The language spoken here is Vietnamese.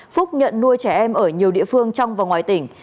phúc nhận nuôi trẻ em ở nhiều địa phương trong và ngoài tỉnh